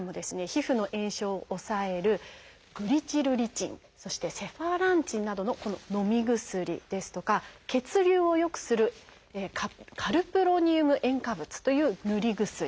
皮膚の炎症を抑える「グリチルリチン」そして「セファランチン」などののみ薬ですとか血流を良くする「カルプロニウム塩化物」という塗り薬。